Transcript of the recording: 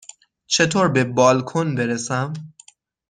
چطور به بالکن برسم؟